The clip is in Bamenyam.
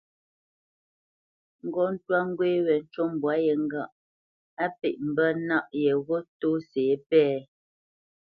Ghɔ̂ ntwá ŋgwé wé ncu mbwá yé ŋgâʼ á pé mbə̂ nâʼ yeghó tɔ́si yépɛ̂.